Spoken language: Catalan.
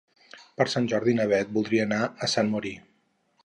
Per Sant Jordi na Bet voldria anar a Sant Mori.